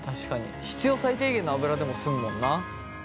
必要最低限の油でも済むもんな。